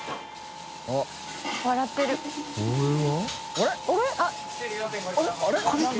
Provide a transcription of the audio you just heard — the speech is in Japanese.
あれ？